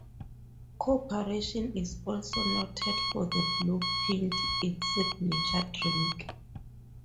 Corporation is also noted for the blue pint, its signature drink.